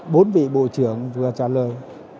bốn vị bộ trưởng vừa trả lời